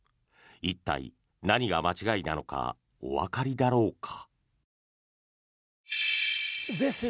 一体、何が間違いなのかおわかりだろうか。